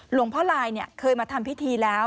หลวงพ่อลายเคยมาทำพิธีแล้ว